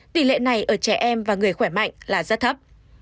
tỷ lệ này ở trẻ em và người khỏe mạnh là rất thấp